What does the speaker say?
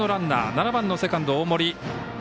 ７番のセカンド、大森。